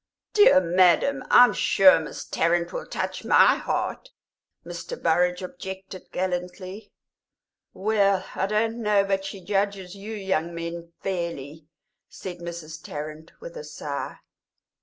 "Dear madam, I'm sure Miss Tarrant will touch my heart!" Mr. Burrage objected, gallantly. "Well, I don't know but she judges you young men fairly," said Mrs. Tarrant, with a sigh.